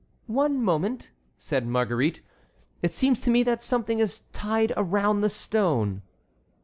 "One moment," said Marguerite. "It seems to me that something is tied around the stone."